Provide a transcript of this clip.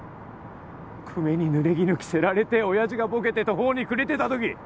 久米に濡れぎぬ着せられて親父がボケて途方に暮れてた時